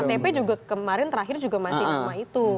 ktp juga kemarin terakhir juga masih nama itu